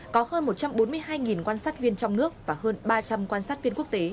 có hơn một trăm bốn mươi hai quan sát viên trong nước và hơn ba trăm linh quan sát viên quốc tế